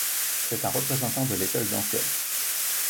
C'est un représentant de l'école d'Antioche.